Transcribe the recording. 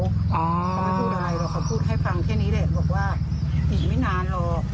เขาไม่พูดอะไรหรอกเขาพูดให้ฟังแค่นี้แหละบอกว่าอีกไม่นานหรอก